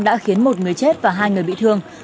đã khiến một người chết và hai người bị thương